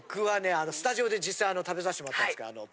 あのスタジオで実際あの食べさせてもらったんですけど。